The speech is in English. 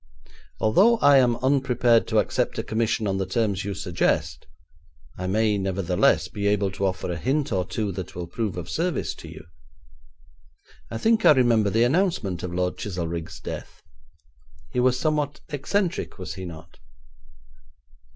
'Although I am unprepared to accept a commission on the terms you suggest, I may, nevertheless, be able to offer a hint or two that will prove of service to you. I think I remember the announcement of Lord Chizelrigg's death. He was somewhat eccentric, was he not?'